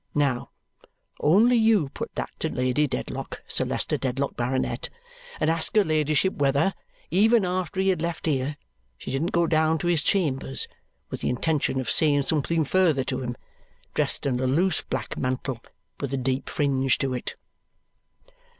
Now, only you put that to Lady Dedlock, Sir Leicester Dedlock, Baronet, and ask her ladyship whether, even after he had left here, she didn't go down to his chambers with the intention of saying something further to him, dressed in a loose black mantle with a deep fringe to it."